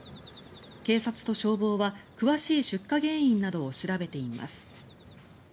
警察と消防は詳しい出火原因などを調べています。